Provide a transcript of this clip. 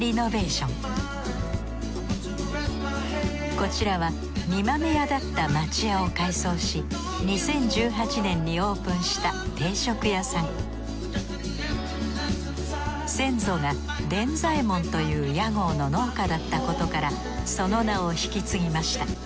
こちらは煮豆屋だった町家を改装し２０１８年にオープンした定食屋さん先祖が傳左衛門という屋号の農家だったことからその名を引き継ぎました。